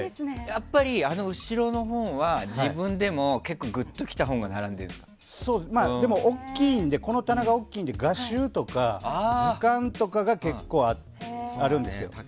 やっぱり後ろの本は自分でもグッと来た本がでも、この棚が大きいので画集とか、図鑑とかが結構あるんですよ。